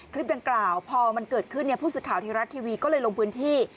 คลิปดังกล่าวพอมันเกิดขึ้นผู้สื่อข่าวไทยรัฐทีวีก็เลยลงพื้นที่